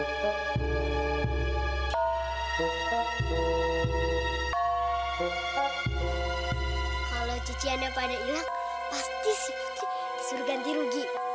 kalau cuciannya pada hilang pasti si putri disuruh ganti rugi